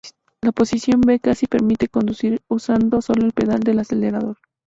La posición B casi permite conducir usando sólo el pedal del acelerador.